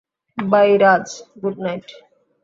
By Raj, good night.